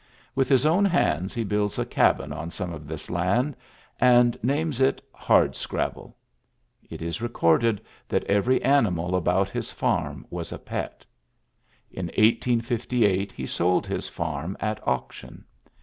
"With his own hands builds a cabin on some of this land, f names it "Hardscrabble.'^ It is corded that every animal about his £a was a pet. In 1858 he sold his farm auction.